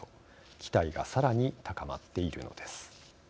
期待がさらに高まっているのです。